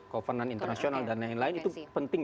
kovenant internasional dan lain lain itu penting